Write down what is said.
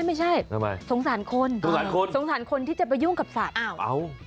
ทำไมสงสารคนสงสารคนที่จะไปยุ่งกับสัตว์อ้าวอ้าว